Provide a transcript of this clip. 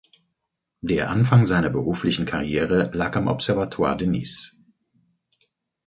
Der Anfang seiner beruflichen Karriere lag am Observatoire de Nice.